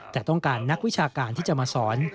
แต่ต้องการนักวิชาการที่จะมาสอน